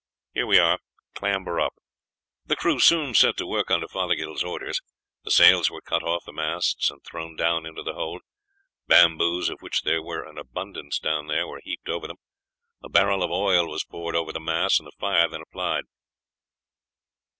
Here we are; clamber up." The crew soon set to work under Fothergill's orders. The sails were cut off the masts and thrown down into the hold; bamboos, of which there were an abundance down there, were heaped over them, a barrel of oil was poured over the mass, and the fire then applied.